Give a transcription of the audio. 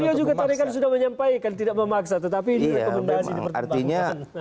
beliau juga tadi kan sudah menyampaikan tidak memaksa tetapi ini rekomendasi dipertimbangkan